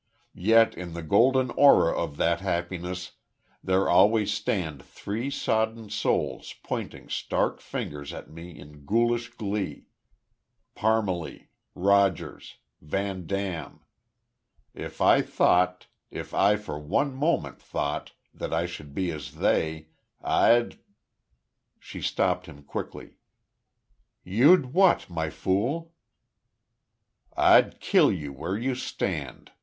"Yet in the golden aura of that happiness, there always stand three sodden souls pointing stark fingers at me in ghoulish glee.... Parmalee Rogers VanDam.... If I thought if I for one moment thought that I should be as they, I'd " She stopped him, quickly: "You'd what, My Fool?" "I'd kill you where you stand!"